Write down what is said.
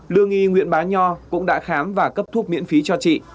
lương y nguyễn bá nho cũng đã khám và cấp thuốc miễn phí cho chị